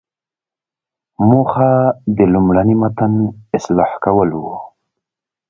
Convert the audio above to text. موخه د لومړني متن اصلاح کول وو.